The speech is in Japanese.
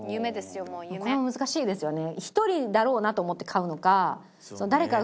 これも難しいですよね。